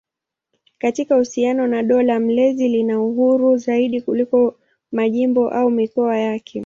Katika uhusiano na dola mlezi lina uhuru zaidi kuliko majimbo au mikoa yake.